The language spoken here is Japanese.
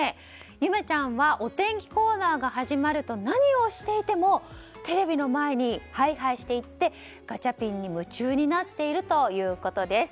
有芽ちゃんはお天気コーナーが始まると何をしていてもテレビの前にはいはいして行ってガチャピンに夢中になっているということです。